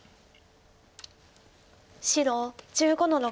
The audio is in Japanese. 白１５の六。